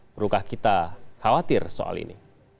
perlukah kita khawatir soal ini